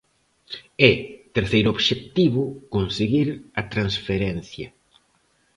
E, terceiro obxectivo, conseguir a transferencia.